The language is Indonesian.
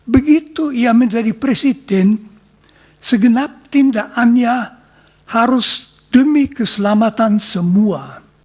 begitu ia menjadi presiden segenap tindakannya harus demi keselamatan semua